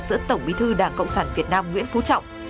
giữa tổng bí thư đảng cộng sản việt nam nguyễn phú trọng